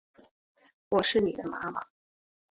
我是妳的妈妈